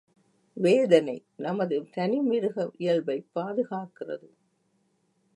வேதனை நமது தனி மிருக இயல்பைப் பாதுகாக்கிறது.